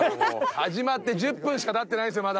始まって１０分しかたってないんですよまだ。